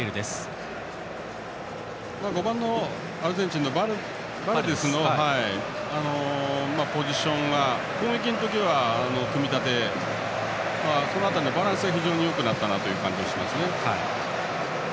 ５番のアルゼンチンのパレデスのポジションは攻撃の時は組み立てその辺りのバランスは非常によくなった感じがしますね。